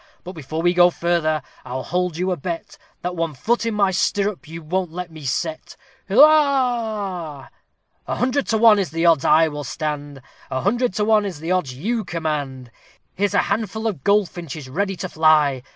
But, before we go further, I'll hold you a bet, That one foot in my stirrup you won't let me set. Hilloah! "A hundred to one is the odds I will stand, A hundred to one is the odds you command; Here's a handful of goldfinches ready to fly!